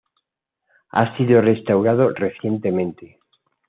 Ha sido restaurado recientemente.